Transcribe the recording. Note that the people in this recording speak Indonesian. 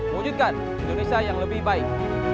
wujudkan indonesia yang lebih baik